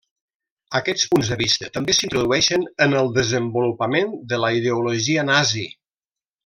Aquests punts de vista també s'introdueixen en el desenvolupament de la ideologia nazi.